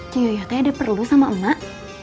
ci yoyo tuh ada perlu sama emak